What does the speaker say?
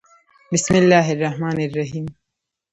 بسم الله الرحمن الرحیم